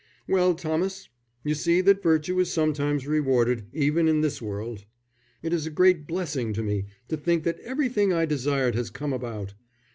"Well, Thomas, you see that virtue is sometimes rewarded even in this world. It is a great blessing to me to think that everything I desired has come about.